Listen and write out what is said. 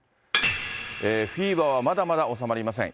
フィーバーはまだまだ収まりません。